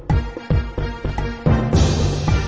ฉันพูดตรงนี้รีบ